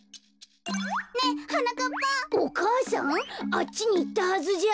あっちにいったはずじゃ。